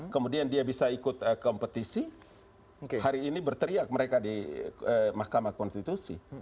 kemudian dia bisa ikut kompetisi hari ini berteriak mereka di mahkamah konstitusi